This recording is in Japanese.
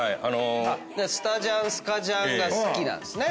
スタジャンスカジャンが好きなんすね。